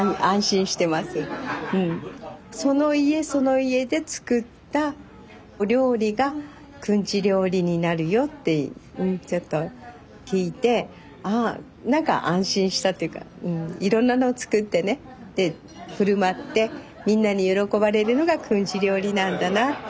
その家その家で作ったお料理がくんち料理になるよってちょっと聞いてああ何か安心したっていうかいろんなのを作ってねで振る舞ってみんなに喜ばれるのがくんち料理なんだなあって思いました。